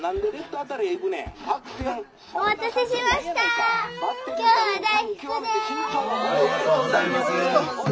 ありがとうございます。